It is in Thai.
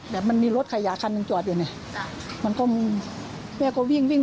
แบบมันมีรถขยะคันหนึ่งจอดอยู่เนี่ยมันก็แม่ก็วิ่งวิ่ง